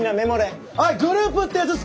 おいグループってやつ作るぞ！